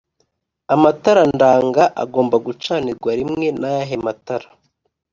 amatara ndanga agomba gucanirwa rimwe Nayahe matara